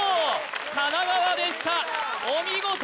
神奈川でしたお見事！